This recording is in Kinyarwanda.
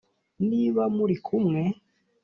niba muri kumwe,